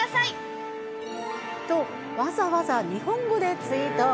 と、わざわざ日本語でツイート。